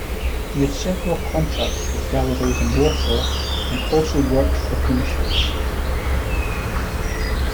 He had several contracts with galleries in Warsaw and also worked for commissions.